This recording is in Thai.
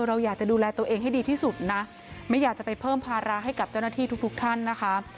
เราอยากจะดูแลตัวเองให้ดีที่สุดนะไม่อยากจะไปเพิ่มภาระให้กับเจ้าหน้าที่ทุกทุกท่านนะคะ